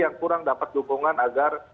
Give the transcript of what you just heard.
yang kurang dapat dukungan agar